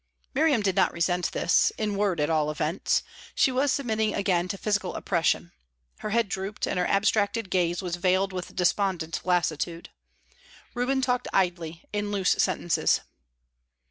Miriam did not resent this, in word at all events. She was submitting again to physical oppression; her head drooped, and her abstracted gaze was veiled with despondent lassitude. Reuben talked idly, in loose sentences.